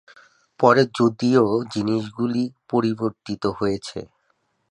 পরে যদিও জিনিসগুলি পরিবর্তিত হয়েছে।